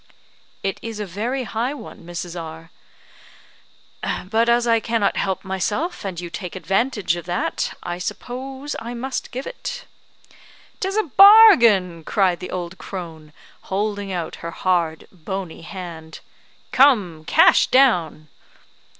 "It is a very high one, Mrs. R ; but as I cannot help myself, and you take advantage of that, I suppose I must give it." "'Tis a bargain," cried the old crone, holding out her hard, bony hand. "Come, cash down!"